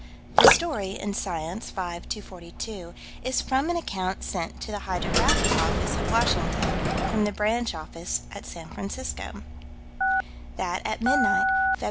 The story, in Science, 5 242, is from an account sent to the Hydrographic Office, at Washington, from the branch office, at San Francisco: That, at midnight, Feb.